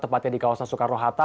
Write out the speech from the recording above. tepatnya di kawasan soekarno hatta